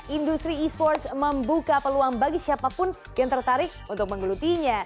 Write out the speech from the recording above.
industri e sports membuka peluang bagi siapapun yang tertarik untuk menggelutinya